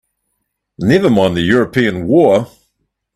Never mind the European war!